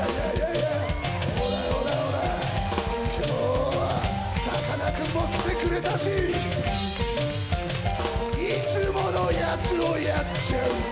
今日はさかなクンも来てくれたしいつものやつをやっちゃうから！